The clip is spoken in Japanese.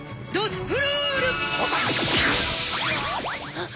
あっ。